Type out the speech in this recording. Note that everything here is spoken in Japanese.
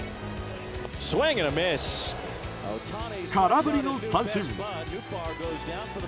空振りの三振。